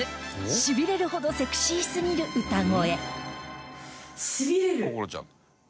しびれるほどセクシーすぎる歌声